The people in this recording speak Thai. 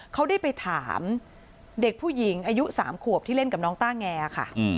เขาได้ไปถามเด็กผู้หญิงอายุ๓ขวบที่เล่นกับน้องต้าแงค่ะ